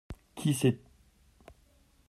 Qui sait ?